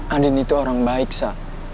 andin itu orang baik sah